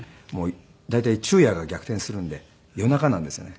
大体昼夜が逆転するんで夜中なんですよね。